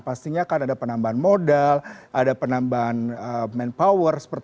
pastinya akan ada penambahan modal ada penambahan manpower